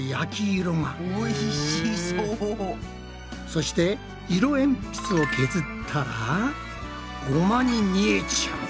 そして色えんぴつをけずったらごまに見えちゃう。